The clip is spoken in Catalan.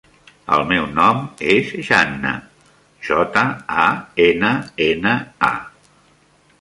El meu nom és Janna: jota, a, ena, ena, a.